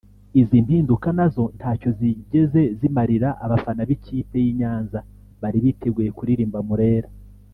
Izi mpinduka nazo ntacyo zigeze zimarira abafana b’ikipe y’i Nyanza bari biteguye kuririmba Murera